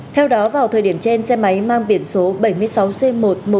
theo đó vào thời điểm trên xe máy mang biển số